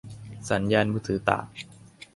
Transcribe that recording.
สัญญาณมือถือต่าง